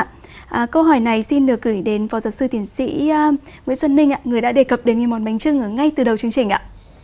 câu hỏi này xin được gửi đến phó giáo sư tiến sĩ nguyễn xuân ninh người đã đề cập đến những món bánh trưng ngay từ đầu chương trình ạ